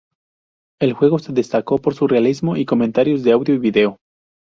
El juego se destacó por su realismo y comentarios de audio y video.